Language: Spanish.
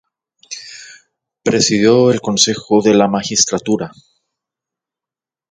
Presidió el Consejo de la Magistratura.